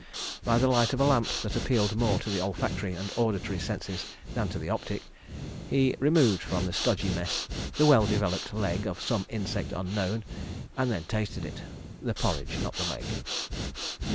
By the light of a lamp that appealed more to the olfactory and auditory senses than to the optic, he removed from the stodgy mess the well developed leg of some insect unknown, and then tasted it—(the porridge, not the leg).